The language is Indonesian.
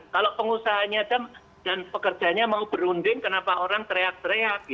kalau pengusahanya dan pekerjanya mau berunding kenapa orang teriak teriak